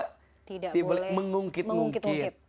tidak boleh mengungkit ungkit